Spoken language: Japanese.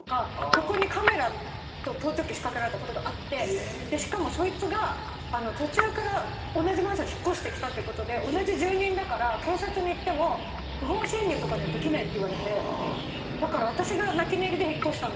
そこにカメラと盗聴器を仕掛けられたことがあってしかもそいつが途中から同じマンションに引っ越してきたっていうことで同じ住人だから警察に言っても不法侵入とかにはできないって言われてだから私が泣き寝入りで引っ越したんですよ